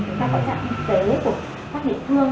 chúng ta có trạm y tế của các địa phương